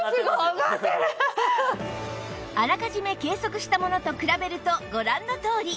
あらかじめ計測したものと比べるとご覧のとおり